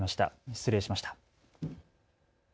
失礼しました。